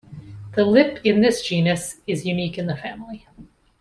The lip in this genus is unique in the family.